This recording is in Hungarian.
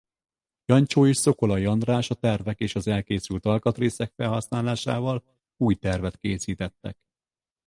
Jancsó és Szokolay András a tervek és az elkészült alkatrészek felhasználásával új tervet készítettek.